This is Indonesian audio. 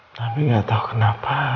tapi gak tau kenapa